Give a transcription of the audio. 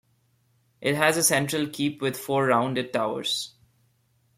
It has a central keep with four rounded towers.